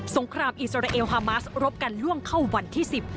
งครามอิสราเอลฮามาสรบกันล่วงเข้าวันที่สิบ